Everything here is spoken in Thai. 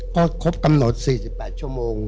พอครบกำหนด๔๘ชั่วโมง